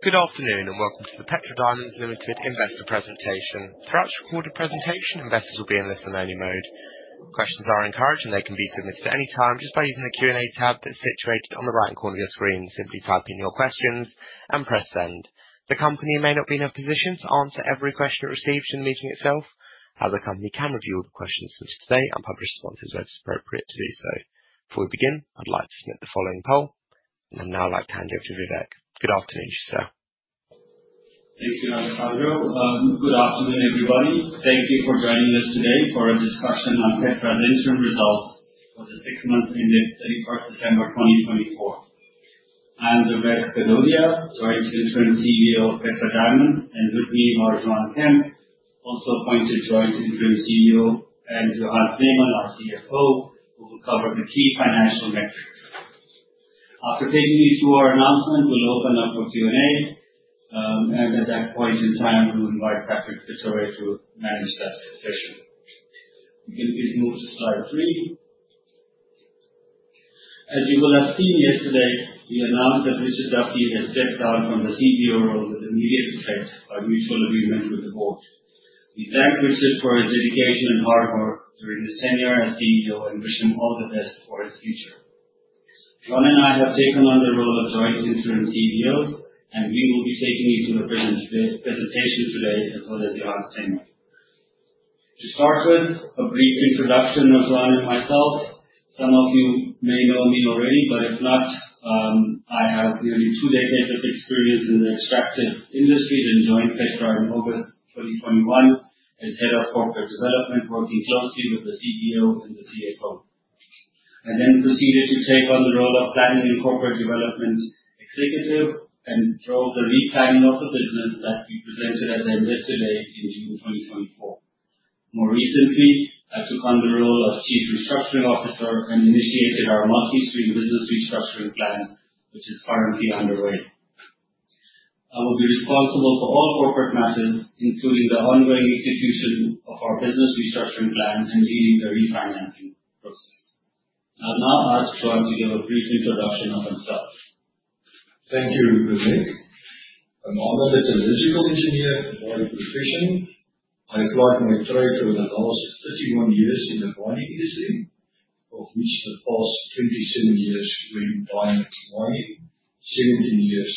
Good afternoon and welcome to the Petra Diamonds Limited investor presentation. Throughout this recorded presentation, investors will be in listen-only mode. Questions are encouraged, and they can be submitted at any time just by using the Q&A tab that's situated on the right-hand corner of your screen. Simply type in your questions and press send. The company may not be in a position to answer every question it receives in the meeting itself, however, the company can review all the questions sent today and publish responses where it's appropriate to do so. Before we begin, I'd like to submit the following poll, and I'd now like to hand you over to Vivek. Good afternoon, Sir. Good afternoon, everybody. Thank you for joining us today for a discussion on Petra's interim results for the six-month window of 31st December 2024. I'm Vivek Gadodia, Joint Interim CEO of Petra Diamonds, and with me, Juan Kemp, also appointed Joint Interim CEO, and Johan Snyman, our CFO, who will cover the key financial metrics. After taking you through our announcement, we'll open up for Q&A, and at that point in time, we'll invite Patrick Pittaway to manage that discussion. You can please move to slide three. As you will have seen yesterday, we announced that Richard Duffy has stepped down from the CEO role with immediate effect by mutual agreement with the board. We thank Richard for his dedication and hard work during his tenure as CEO and wish him all the best for his future. Juan and I have taken on the role of Joint Interim CEOs, and we will be taking you through the presentation today, as well as Johan Snyman. To start with, a brief introduction of Juan and myself. Some of you may know me already, but if not, I have nearly two decades of experience in the extractive industry. I joined Petra in August 2021 as Head of Corporate Development, working closely with the CEO and the CFO. I then proceeded to take on the role of Planning and Corporate Development Executive and drove the replanning of the business that we presented at the Investor Day in June 2024. More recently, I took on the role of Chief Restructuring Officer and initiated our multi-stream business restructuring plan, which is currently underway. I will be responsible for all corporate matters, including the ongoing execution of our business restructuring plan and leading the refinancing process. I'll now ask Juan to give a brief introduction of himself. Thank you, Vivek. I'm an analytical engineer by profession. I applied my trade over the last 31 years in the mining industry, of which the past 27 years were in diamond mining, 17 years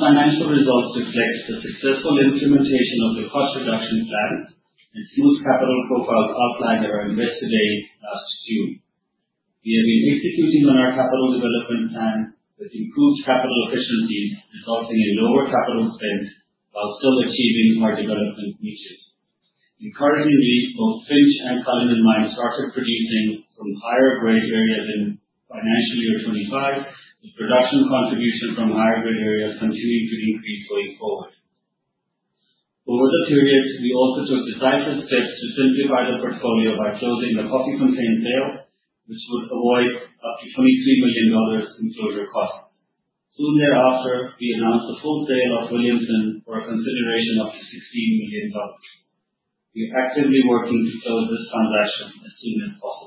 These financial results reflect the successful implementation of the cost reduction plan and smooth capital profiles outlined in our Investor Day last June. We have been executing on our capital development plan, which improves capital efficiencies, resulting in lower capital spend while still achieving our development metres. Encouragingly, both Finsch and Cullinan Mines started producing from higher-grade areas in financial year 2025, with production contributions from higher-grade areas continuing to increase going forward. Over the period, we also took decisive steps to simplify the portfolio by closing the Koffiefontein Mine sale, which would avoid up to $23 million in closure costs. Soon thereafter, we announced the full sale of Williamson for a consideration of $16 million. We are actively working to close this transaction as soon as possible.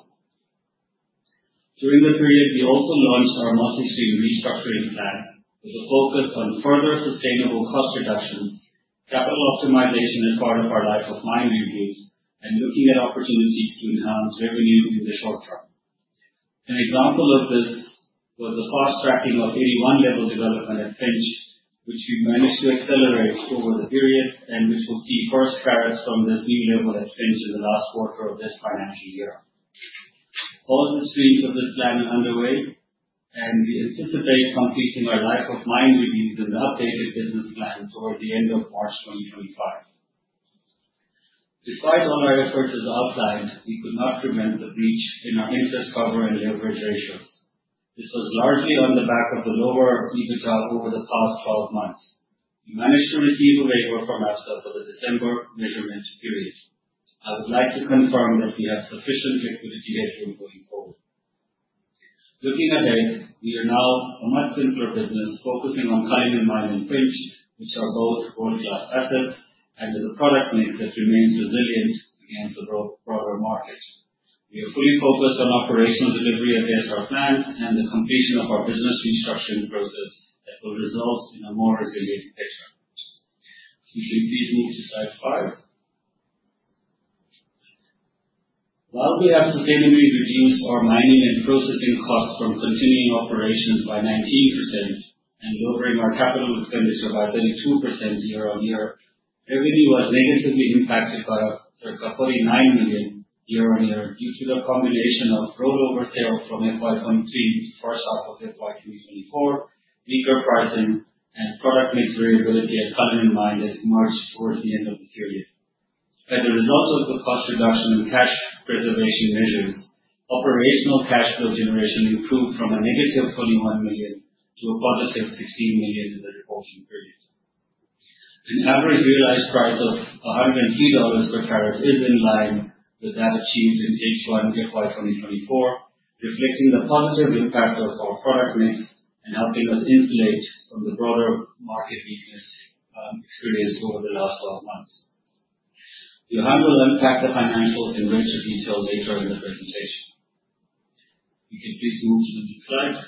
During the period, we also launched our multi-stream restructuring plan with a focus on further sustainable cost reductions, capital optimization as part of our life of mine reviews, and looking at opportunities to enhance revenue in the short term. An example of this was the fast-tracking of 81 level development at Finsch, which we managed to accelerate over the period and which will see first carats from this new level at Finsch in the last quarter of this financial year. All the streams of this plan are underway, and we anticipate completing our life of mine reviews and the updated business plan toward the end of March 2025. Despite all our efforts as outlined, we could not prevent the breach in our interest cover and leverage ratios. This was largely on the back of the lower EBITDA over the past 12 months. We managed to receive a waiver from Absa Bank for the December measurement period. I would like to confirm that we have sufficient liquidity headroom going forward. Looking ahead, we are now a much simpler business focusing on Cullinan Mine and Finsch, which are both world-class assets and with a product mix that remains resilient against the broader market. We are fully focused on operational delivery against our plans and the completion of our business restructuring process that will result in a more resilient Petra. You can please move to slide five. While we have sustainably reduced our mining and processing costs from continuing operations by 19% and lowering our capital expenditure by 32% year-on-year, revenue was negatively impacted by a $49 million year-on-year due to the combination of rollovers from FY2023 to the first half of FY2024, weaker pricing, and product mix variability at Cullinan Mine as we marched towards the end of the period. As a result of the cost reduction and cash preservation measures, operational cash flow generation improved from a negative $21 million to a positive $16 million in the reporting period. An average realized price of $103 per carat is in line with that achieved in H1 FY2024, reflecting the positive impact of our product mix and helping us insulate from the broader market weakness experienced over the last 12 months. Johan will unpack the financials in greater detail later in the presentation. You can please move to the next slide.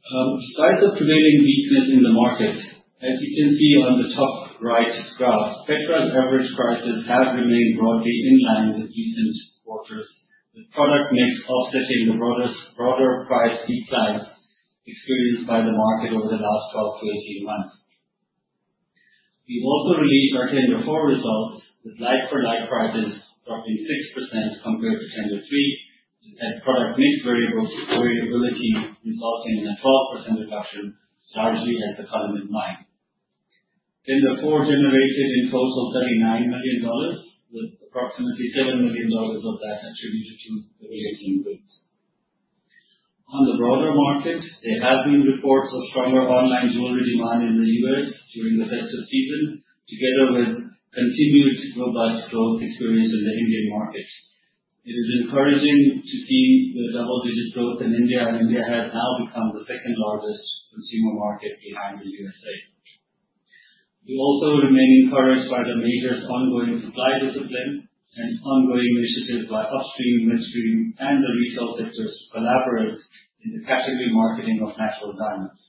Besides the prevailing weakness in the market, as you can see on the top right graph, Petra's average prices have remained broadly in line with recent quarters, with product mix offsetting the broader price decline experienced by the market over the last 12 to 18 months. We also released our Tender 4 results with like-for-like prices dropping 6% compared to Tender 3, and product mix variability resulting in a 12% reduction, largely at the Cullinan Mine. Tender 4 generated in total $39 million, with approximately $7 million of that attributed to the relation growth. On the broader market, there have been reports of stronger online jewelry demand in the U.S. during the festive season, together with continued robust growth experienced in the Indian market. It is encouraging to see the double-digit growth in India, and India has now become the second-largest consumer market behind the USA. We also remain encouraged by the majors' ongoing supply discipline and ongoing initiatives by upstream, midstream, and the retail sectors to collaborate in the category marketing of natural diamonds.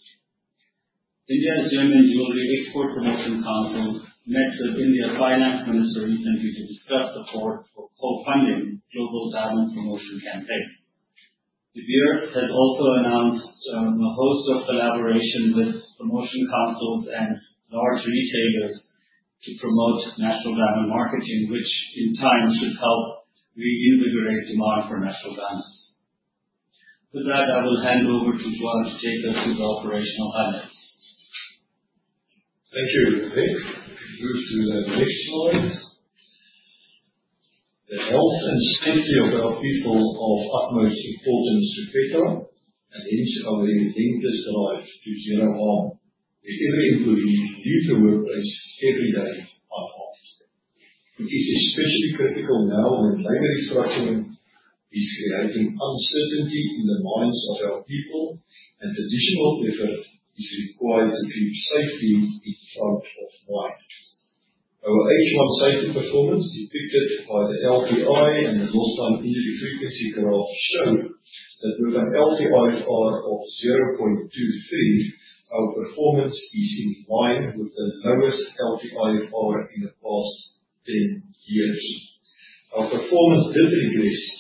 India's Gem & Jewellery Export Promotion Council met with India's finance minister recently to discuss the board for co-funding the global diamond promotion campaign. De Beers has also announced a host of collaborations with promotion councils and large retailers to promote natural diamond marketing, which in time should help reinvigorate demand for natural diamonds. With that, I will hand over to Juan to take us through the operational highlights. Thank you, Vivek. Move to the next slide. The health and safety of our people are of utmost importance to Petra, and the interest of everything that's alive to zero harm. We're every input into the future workplace every day. I'm honest. It is especially critical now when labor restructuring is creating uncertainty in the minds of our people, and additional effort is required to keep safety in front of mind. Our H1 safety performance, depicted by the LTI and the Lost Time Injury Frequency Graph, showed that with an LTI of 0.23, our performance is in line with the lowest LTI in the past 10 years. Our performance did progress from our record-breaking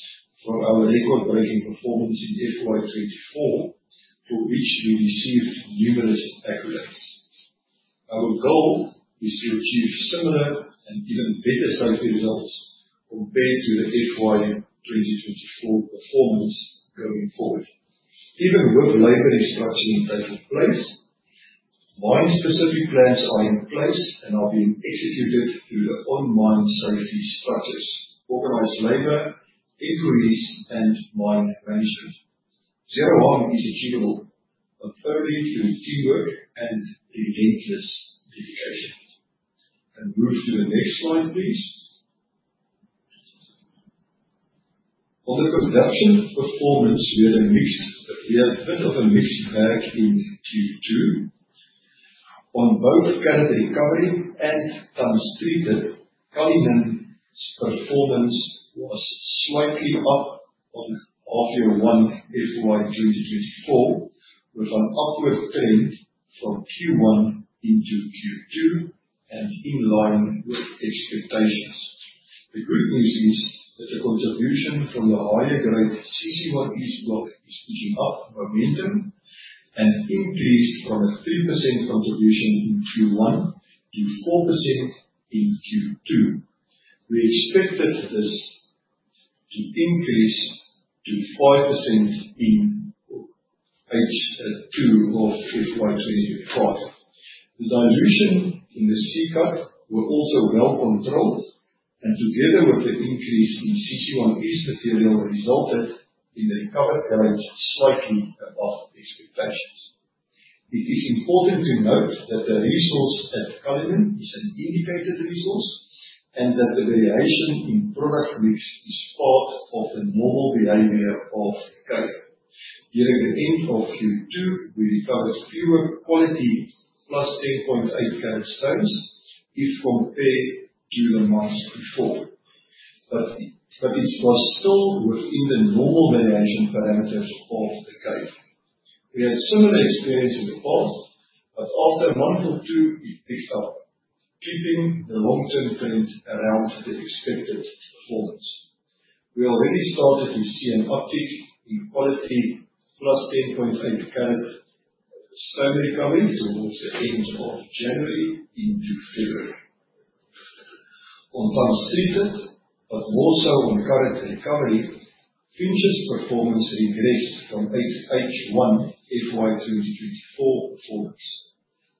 both carat recovery and tonnes treated, Cullinan's performance was slightly up on half-year one FY2024, with an upward trend from Q1 into Q2 and in line with expectations. The good news is that the contribution from the higher-grade CC1 East is picking up momentum and increased from a 3% contribution in Q1 to 4% in Q2. We expect this to increase to 5% in H2 of FY2025. The dilution in the C-Cut was also well controlled, and together with the increase in CC1 East material, resulted in the recovered carats slightly above expectations. It is important to note that the resource at Cullinan is an indicated resource and that the variation in product mix is part of the normal behavior of carat. During the end of Q2, we recovered fewer quality plus 10.8 carat stones if compared to the months before, but it was still within the normal variation parameters of the carat. We had similar experience in the past, but after a month or two, we picked up, keeping the long-term trend around the expected performance. We already started to see an uptick in quality plus 10.8 carat stone recovery towards the end of January into February. On tonnes treated, but more so on carat recovery, Finsch's performance regressed from H1 FY2024 performance.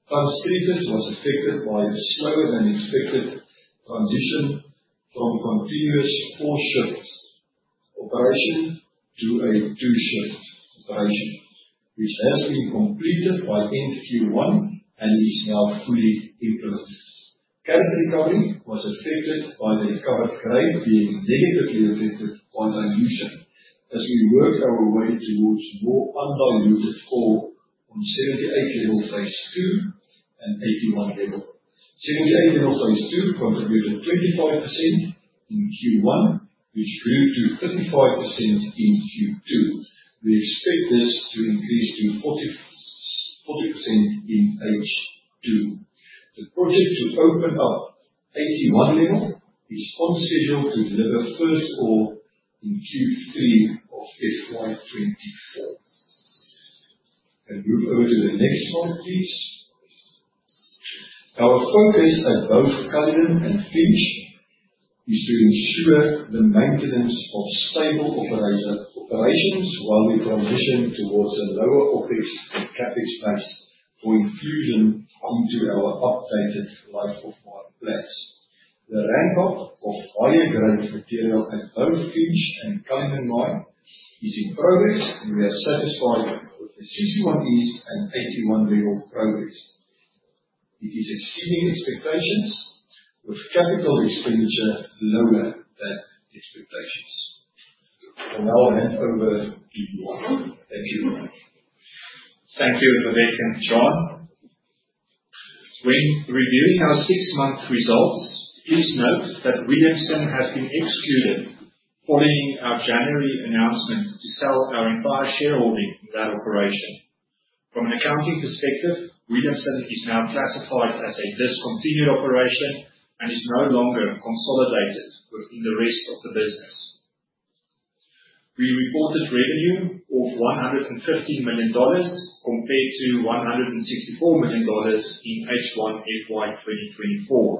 Tonnes treated was affected by a slower than expected transition from continuous four-shift operation to a two-shift operation, which has been completed by end Q1 and is now fully implemented. Carat recovery was affected by the recovered carat being negatively affected by dilution as we worked our way towards more undiluted ore on 78 level phase two and 81 level. 78 level phase two contributed 25% in Q1, which grew to 55% in Q2. We expect this to increase to 40% in H2. The project to open up 81 level is on schedule to deliver first ore in Q3 of FY2024. Move over to the next slide, please. Our focus at both Cullinan and Finsch is to ensure the maintenance of stable operations while we transition towards a lower OPEX and CapEx base for inclusion into our updated life of mine plans. The ramp-up of higher-grade material at both Finsch and Cullinan Mine is in progress, and we are satisfied with the CC1 East and 81 level progress. It is exceeding expectations, with capital expenditure lower than expectations. I'll now hand over to Johan. Thank you. Thank you, Vivek and Juan. When reviewing our six-month results, please note that Williamson has been excluded following our January announcement to sell our entire shareholding in that operation. From an accounting perspective, Williamson is now classified as a discontinued operation and is no longer consolidated within the rest of the business. We reported revenue of $115 million compared to $164 million in H1 FY2024.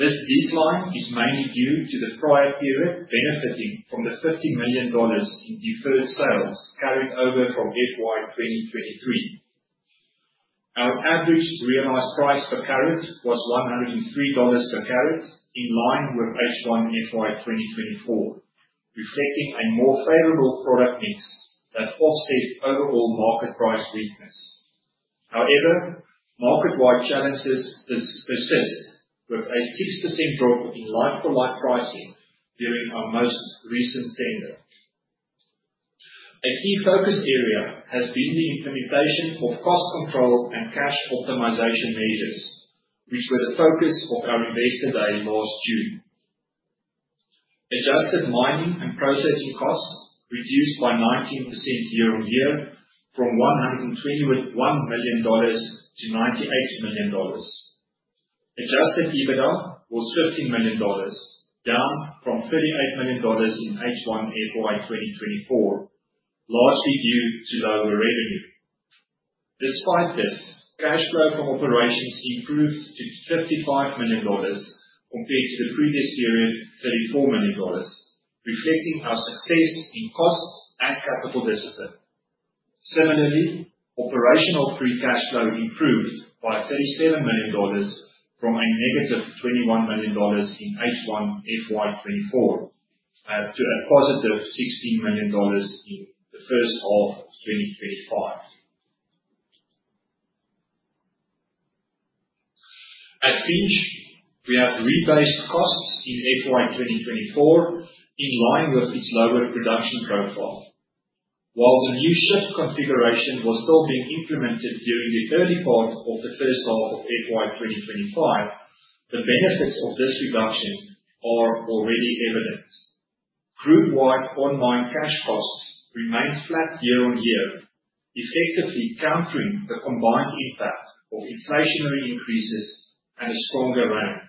This decline is mainly due to the prior period benefiting from the $50 million in deferred sales carried over from FY2023. Our average realized price per carat was $103 per carat, in line with H1 FY2024, reflecting a more favorable product mix that offset overall market price weakness. However, market-wide challenges persist with a 6% drop in like-for-like pricing during our most recent tender. A key focus area has been the implementation of cost control and cash optimization measures, which were the focus of our investor day last June. Adjusted mining and processing costs reduced by 19% year-on-year from $121 million to $98 million. Adjusted EBITDA was $15 million, down from $38 million in H1 FY2024, largely due to lower revenue. Despite this, cash flow from operations improved to $35 million compared to the previous period, $34 million, reflecting our success in cost and capital discipline. Similarly, operational free cash flow improved by $37 million from a negative $21 million in H1 FY2024 to a positive $16 million in the first half of 2025. At Finsch, we have rebased costs in FY2024 in line with its lower production profile. While the new shift configuration was still being implemented during the early part of the first half of FY2025, the benefits of this reduction are already evident. Group-wide on-mine cash costs remained flat year-on-year, effectively countering the combined impact of inflationary increases and a stronger rand.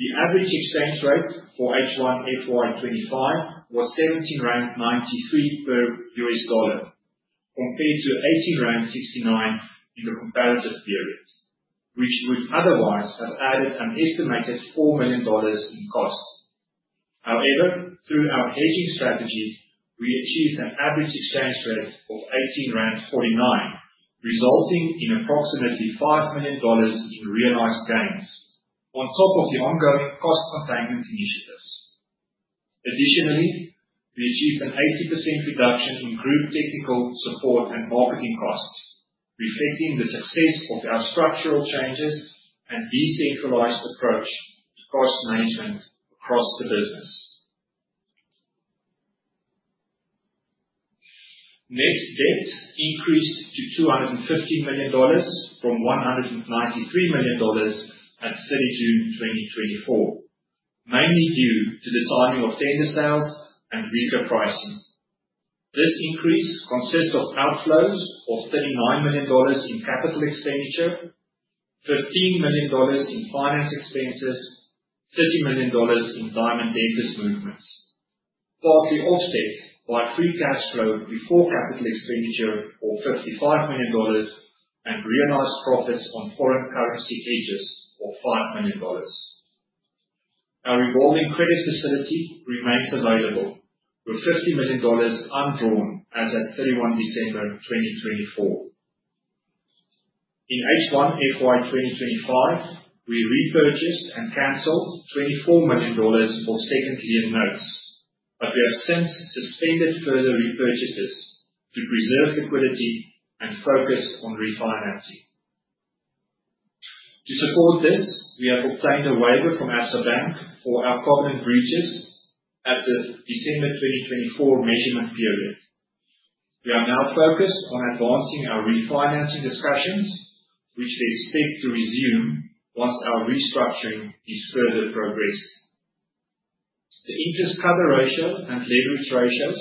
The average expense rate for H1 FY2025 was 17.93 per US dollar, compared to 18.69 rand in the comparative period, which would otherwise have added an estimated $4 million in cost. However, through our hedging strategy, we achieved an average expense rate of 18.49, resulting in approximately $5 million in realized gains, on top of the ongoing cost containment initiatives. Additionally, we achieved an 80% reduction in group technical support and marketing costs, reflecting the success of our structural changes and decentralized approach to cost management across the business. Net debt increased to $215 million from $193 million at 30 June 2024, mainly due to the timing of tender sales and weaker pricing. This increase consists of outflows of $39 million in capital expenditure, $15 million in finance expenses, and $30 million in diamond inventory movements, partly offset by free cash flow before capital expenditure of $55 million and realized profits on foreign currency hedges of $5 million. Our revolving credit facility remains available, with $50 million undrawn as of 31 December 2024. In H1 FY2025, we repurchased and canceled $24 million for second lien notes, but we have since suspended further repurchases to preserve liquidity and focus on refinancing. To support this, we have obtained a waiver from Absa Bank for our covenant breaches at the December 2024 measurement period. We are now focused on advancing our refinancing discussions, which we expect to resume once our restructuring is further progressed. The interest cover ratio and leverage ratios,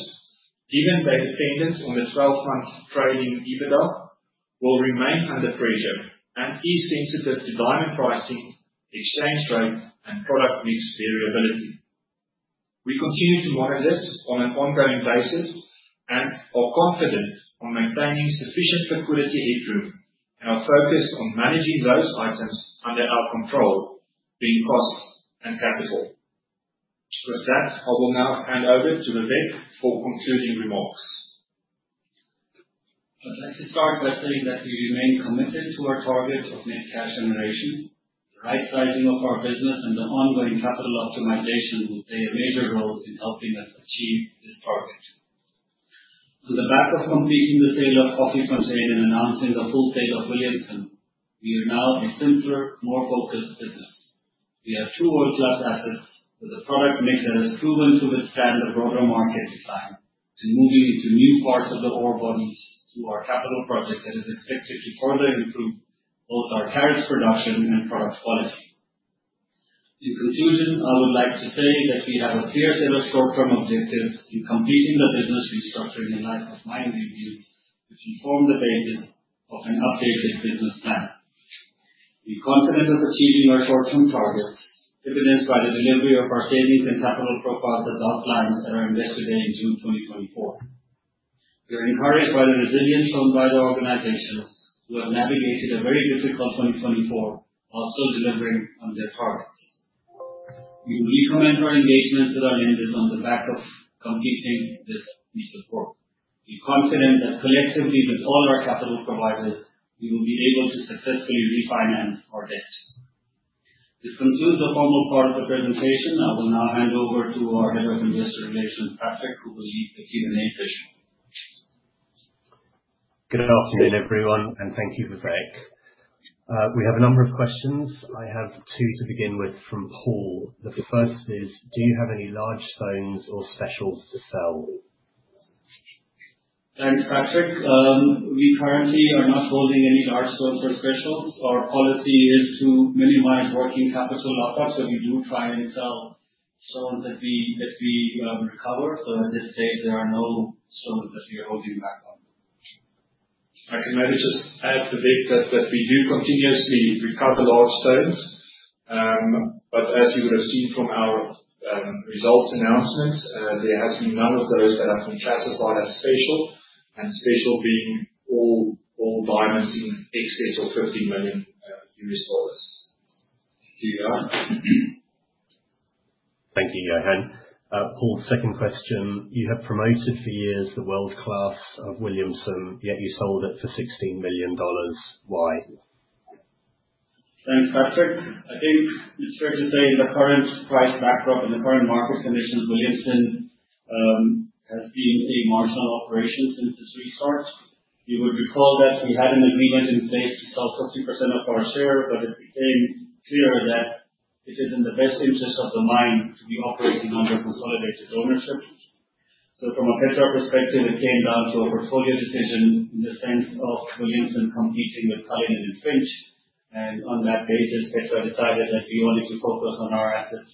given their dependence on the 12-month trading EBITDA, will remain under pressure and is sensitive to diamond pricing, exchange rate, and product mix variability. We continue to monitor this on an ongoing basis and are confident on maintaining sufficient liquidity headroom and are focused on managing those items under our control, being cost and capital. With that, I will now hand over to Vivek for concluding remarks. I'd like to start by saying that we remain committed to our target of net cash generation. The right-sizing of our business and the ongoing capital optimization will play a major role in helping us achieve this target. On the back of completing the sale of Koffiefontein and announcing the full sale of Williamson, we are now a simpler, more focused business. We have two world-class assets with a product mix that has proven to withstand the broader market decline, and moving into new parts of the ore bodies through our capital project that is expected to further improve both our carats production and product quality. In conclusion, I would like to say that we have a clear set of short-term objectives in completing the business restructuring and life of mine review, which inform the basis of an updated business plan. We are confident of achieving our short-term targets, evidenced by the delivery of our savings and capital profiles as outlined at our investor day in June 2024. We are encouraged by the resilience shown by the organizations who have navigated a very difficult 2024 while still delivering on their targets. We will recommend our engagement with our lenders on the back of completing this piece of work. We are confident that collectively with all our capital providers, we will be able to successfully refinance our debt. This concludes the formal part of the presentation. I will now hand over to our Head of Investor Relations, Patrick, who will lead the Q&A session. Good afternoon, everyone, and thank you, Vivek. We have a number of questions. I have two to begin with from Paul. The first is, do you have any large stones or specials to sell? Thanks, Patrick. We currently are not holding any large stones or specials. Our policy is to minimize working capital buffer, so we do try and sell stones that we recover. At this stage, there are no stones that we are holding back on. I can maybe just add, Vivek, that we do continuously recover large stones, but as you would have seen from our results announcements, there has been none of those that have been classified as special, and special being all diamonds in excess of $15 million. Do you have? Thank you, Johan. For second question. You have promoted for years the world-class of Williamson, yet you sold it for $16 million. Why? Thanks, Patrick. I think it's fair to say in the current price backdrop and the current market conditions, Williamson has been a marginal operation since its restart. You would recall that we had an agreement in place to sell 50% of our share, but it became clear that it is in the best interest of the mine to be operating under consolidated ownership. From a Petra perspective, it came down to a portfolio decision in the sense of Williamson competing with Cullinan and Finsch. On that basis, Petra decided that we wanted to focus on our assets,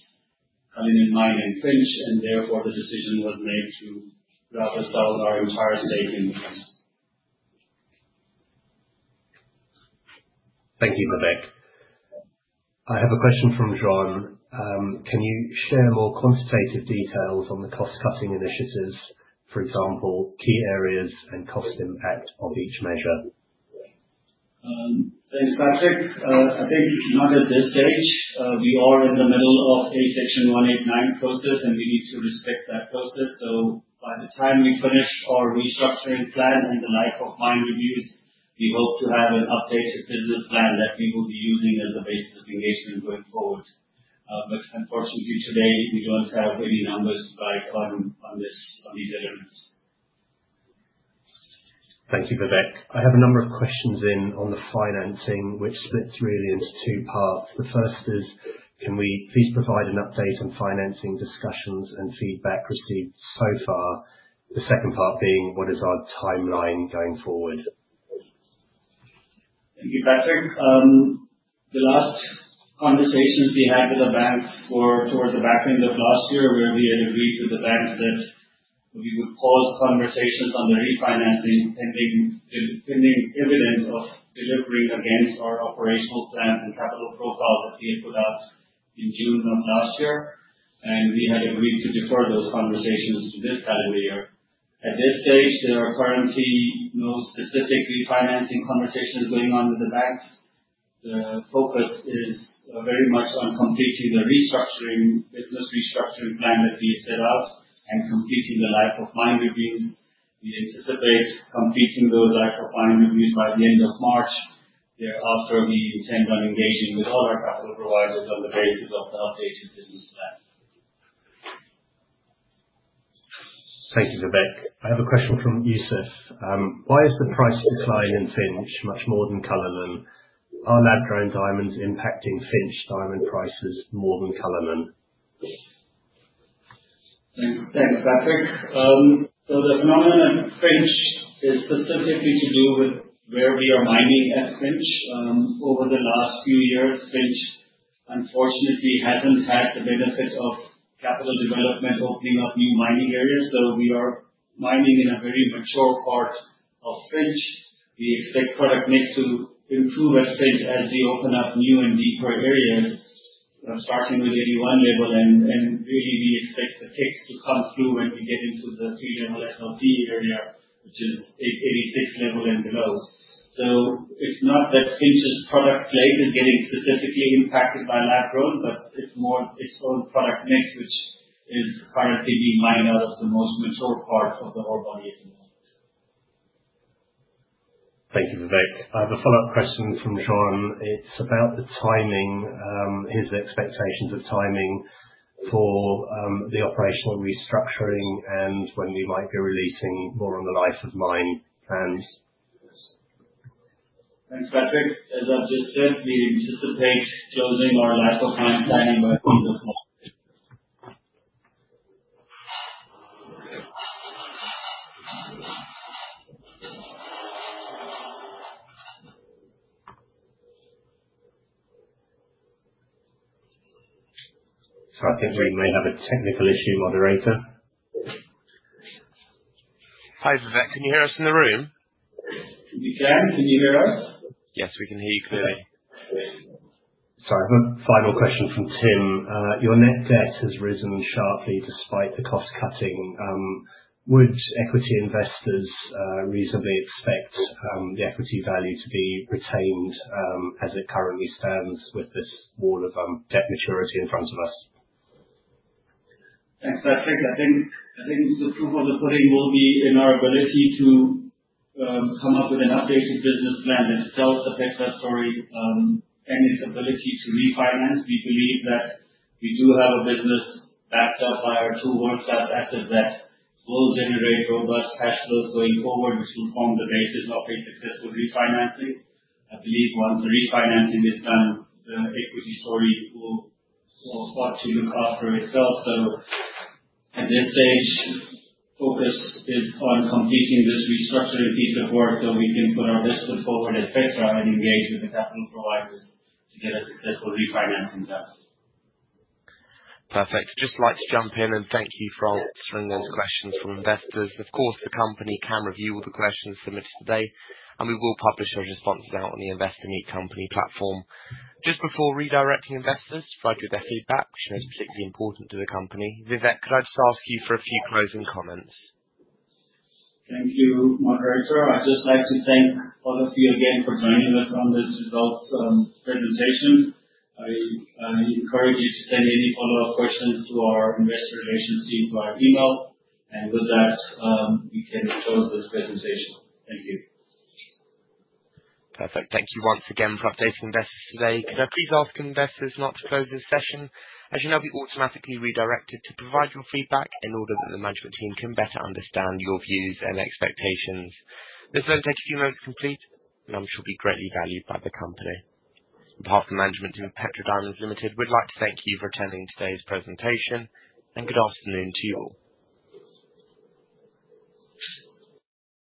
Cullinan Mine and Finsch, and therefore the decision was made to rather sell our entire stake in Williamson. Thank you, Vivek. I have a question from John. Can you share more quantitative details on the cost-cutting initiatives, for example, key areas and cost impact of each measure? Thanks, Patrick. I think not at this stage. We are in the middle of a Section 189 process, and we need to respect that process. By the time we finish our restructuring plan and the life of mine reviews, we hope to have an updated business plan that we will be using as a basis of engagement going forward. Unfortunately, today, we do not have any numbers to guide on these items. Thank you, Vivek. I have a number of questions in on the financing, which splits really into two parts. The first is, can we please provide an update on financing discussions and feedback received so far? The second part being, what is our timeline going forward? Thank you, Patrick. The last conversations we had with the banks were towards the back end of last year, where we had agreed with the banks that we would pause conversations on the refinancing, pending evidence of delivering against our operational plan and capital profile that we had put out in June of last year. We had agreed to defer those conversations to this calendar year. At this stage, there are currently no specific refinancing conversations going on with the banks. The focus is very much on completing the business restructuring plan that we had set out and completing the life of mine reviews. We anticipate completing those life of mine reviews by the end of March, thereafter we intend on engaging with all our capital providers on the basis of the updated business plan. Thank you, Vivek. I have a question from Yusuf. Why is the price decline in Finsch much more than Cullinan? Are lab-grown diamonds impacting Finsch diamond prices more than Cullinan? Thanks, Patrick. The phenomenon at Finsch is specifically to do with where we are mining at Finsch. Over the last few years, Finsch, unfortunately, has not had the benefit of capital development opening up new mining areas. We are mining in a very mature part of Finsch. We expect product mix to improve at Finsch as we open up new and deeper areas, starting with 81 level. We expect the ticks to come through when we get into the 3 Level SLC area, which is 86 level and below. It is not that Finsch's product slate is getting specifically impacted by lab-grown, but it is more its own product mix, which is currently being mined out of the most mature part of the ore body at the moment. Thank you, Vivek. I have a follow-up question from John. It's about the timing. Here's the expectations of timing for the operational restructuring and when we might be releasing more on the life of mine plans. Thanks, Patrick. As I've just said, we anticipate closing our life of mine planning by the end of March. I think we may have a technical issue, moderator. Hi, Vivek. Can you hear us in the room? We can. Can you hear us? Yes, we can hear you clearly. Sorry, final question from Tim. Your net debt has risen sharply despite the cost-cutting. Would equity investors reasonably expect the equity value to be retained as it currently stands with this wall of debt maturity in front of us? Thanks, Patrick. I think the proof of the pudding will be in our ability to come up with an updated business plan that tells the Petra story and its ability to refinance. We believe that we do have a business backed up by our two world-class assets that will generate robust cash flows going forward, which will form the basis of a successful refinancing. I believe once the refinancing is done, the equity story will start to look after itself. At this stage, focus is on completing this restructuring piece of work so we can put our best foot forward at Petra and engage with the capital providers to get a successful refinancing done. Perfect. Just like to jump in and thank you for answering those questions from investors. Of course, the company can review all the questions submitted today, and we will publish those responses out on the Investor Meet Company platform. Just before redirecting investors to provide you with their feedback, which I know is particularly important to the company, Vivek, could I just ask you for a few closing comments? Thank you, moderator. I'd just like to thank all of you again for joining us on this result presentation. I encourage you to send any follow-up questions to our investor relations team to our email. With that, we can close this presentation. Thank you. Perfect. Thank you once again for updating investors today. Could I please ask investors not to close this session? As you know, you will be automatically redirected to provide your feedback in order that the management team can better understand your views and expectations. This will only take a few moments to complete, and I'm sure it will be greatly valued by the company. On behalf of the management team at Petra Diamonds Limited, we'd like to thank you for attending today's presentation. Good afternoon to you all.